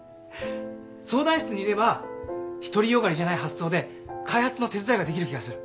相談室にいれば独り善がりじゃない発想で開発の手伝いができる気がする。